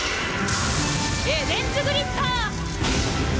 エデンズグリッター！